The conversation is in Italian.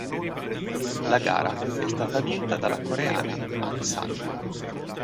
La gara è stata vinta dalla coreana An San.